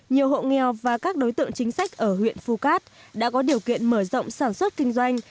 nhiều hộ nghèo và các đối tượng chính sách ở huyện phu cát đã có điều kiện mở rộng sản xuất kinh doanh